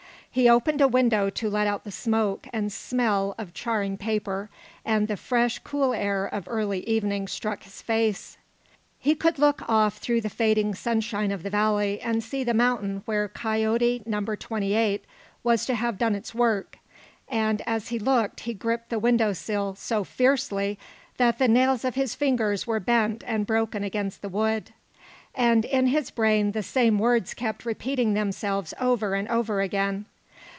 He opened a window to let out the smoke and smell of charring paper, and the fresh, cool air of early evening struck his face. He could look off through the fading sunshine of the valley and see the mountain where Coyote Number Twenty eight was to have done its work, and as he looked he gripped the window sill so fiercely that the nails of his fingers were bent and broken against the wood. And in his brain the same words kept repeating themselves over and over again.